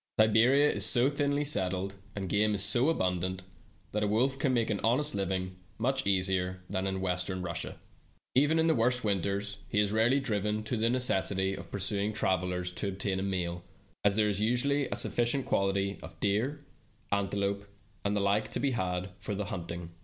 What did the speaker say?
Siberia is so thinly settled, and game is so abun dant, that a wolf can make an honest living much easier than in Western Russia. Even in the worst winters he is rarely driven to the necessity of pursu ing travelers to obtain a meal, as there is usually a sufficient quantity of deer, antelope, and the like to be had for the hunting.